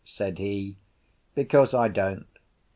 said he. "Because I don't.